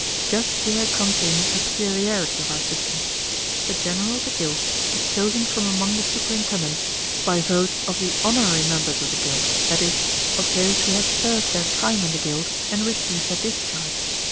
Just here comes in a peculiarity of our system. The general of the guild is chosen from among the superintendents by vote of the honorary members of the guild, that is, of those who have served their time in the guild and received their discharge.